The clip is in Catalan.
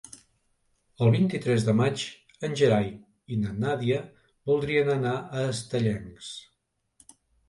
El vint-i-tres de maig en Gerai i na Nàdia voldrien anar a Estellencs.